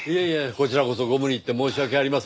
こちらこそご無理言って申し訳ありません。